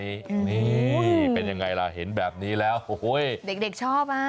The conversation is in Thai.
นี่เป็นยังไงล่ะเห็นแบบนี้แล้วโอ้โหเด็กชอบอ่ะ